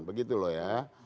begitu loh ya